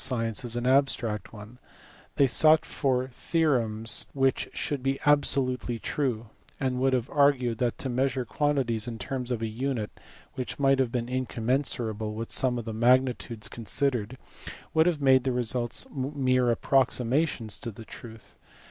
science as an abstract one : they sought for theorems which should be absolutely true, and would have argued that to measure quantities in terms of a unit "which might have been incommensurable with some of the magnitudes considered would have made their results mere approximations to the truth.